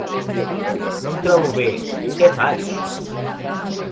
No em trobo bé, què faig?